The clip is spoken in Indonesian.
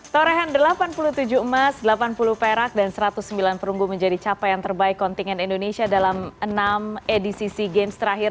torehan delapan puluh tujuh emas delapan puluh perak dan satu ratus sembilan perunggu menjadi capaian terbaik kontingen indonesia dalam enam edisi sea games terakhir